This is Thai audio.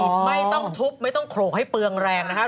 ไม่ต้องทุบไม่ต้องโขลกให้เปลืองแรงนะครับ